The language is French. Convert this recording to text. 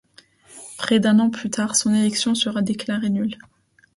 Près d'un an plus tard, son élection sera déclarée nulle.